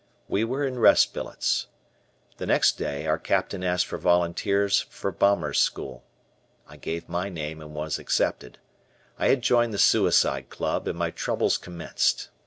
We were in rest billets. The next day, our Captain asked for volunteers for Bombers' School. I gave my name and was accepted. I had joined the Suicide Club, and my troubles commenced.